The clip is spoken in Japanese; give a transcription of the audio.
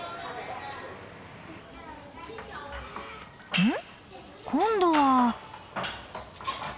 うん？今度は。